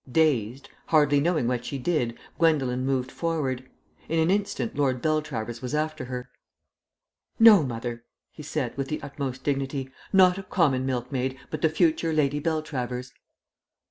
Dazed, hardly knowing what she did, Gwendolen moved forward. In an instant Lord Beltravers was after her. "No, mother," he said, with the utmost dignity. "Not a common milkmaid, but the future Lady Beltravers."